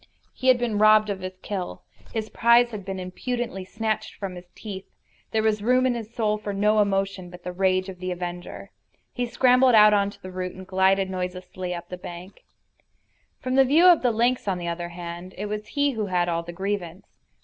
He had been robbed of his kill. His prize had been impudently snatched from his teeth. There was room in his soul for no emotion but the rage of the avenger. He scrambled out on to the root and glided noiselessly up the bank. From the point of view of the lynx, on the other hand, it was he who had all the grievance.